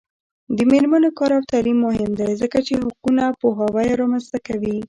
د میرمنو کار او تعلیم مهم دی ځکه چې حقونو پوهاوی رامنځته کوي.